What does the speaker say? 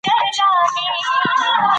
زه غواړم ستا له کورنۍ سره وپېژنم.